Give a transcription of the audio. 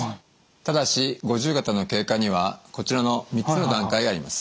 ただし五十肩の経過にはこちらの３つの段階があります。